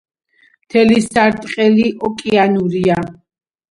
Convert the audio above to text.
მთელი სარტყელი ოკეანურია.